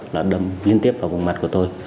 là đâm liên tiếp vào vùng mặt của tôi